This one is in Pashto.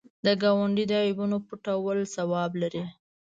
د ګاونډي د عیبونو پټول ثواب لري